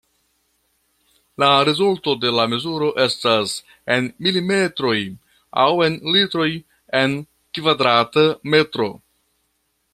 La rezulto de la mezuro estas en milimetroj aŭ en litroj en kvadrata metro.